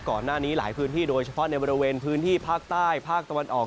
ก่อนหน้านี้หลายพื้นที่โดยเฉพาะในบริเวณพื้นที่ภาคใต้ภาคตะวันออก